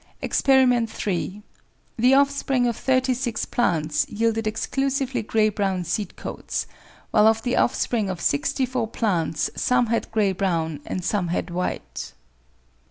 Expt. 3. The offspring of 36 plants yielded exclusively grey brown seed coats, while of the offspring of 64 plants some had grey brown and some had white.